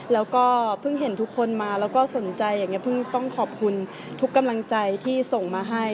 แล้วก็เพิ่งเห็นทุกคนมาแล้วก็สนใจอย่างนี้เพิ่งต้องขอบคุณทุกกำลังใจที่ส่งมาให้